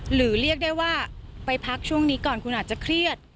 เรียกได้ว่าไปพักช่วงนี้ก่อนคุณอาจจะเครียด